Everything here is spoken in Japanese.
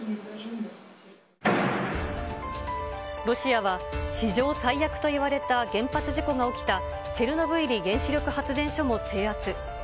ロシアは史上最悪といわれた原発事故が起きた、チェルノブイリ原子力発電所も制圧。